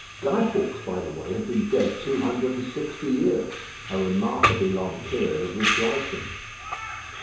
Guy Fawkes, by the way, has been dead two hundred and sixty years; a remarkably long period of rejoicing.